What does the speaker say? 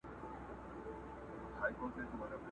o و گټه، پيل وخوره!